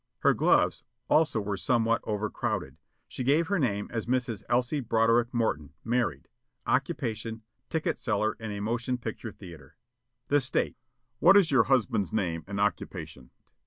Her gloves, also were somewhat over crowded. She gave her name as Mrs. Elsie Broderick Morton, married; occupation, ticket seller in a motion picture theater. The State: "What is your husband's name and occupation?"